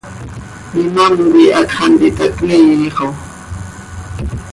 ¿Imám coi hacx hant itacniiix oo?